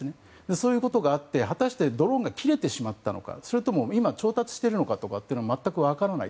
そういうことがあって果たして、ドローンが切れたのかそれとも今、調達しているのかというのは全く分からない。